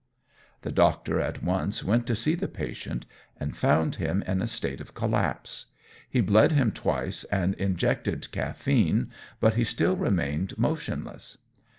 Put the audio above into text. The doctor at once went to see the patient, and found him in a state of collapse. He bled him twice and injected caffeine, but he still remained motionless.